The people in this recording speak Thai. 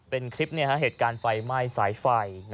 เป็นคลิปเหตุการณ์ไฟไหม้สายไฟ